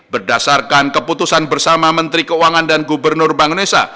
berdasarkan keputusan bersama menteri keuangan dan gubernur bank indonesia